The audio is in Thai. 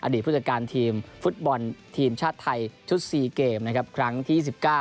อดีตผู้จัดการทีมฟุตบอลทีมชาติไทยชุด๔เกมครั้งที่๒๙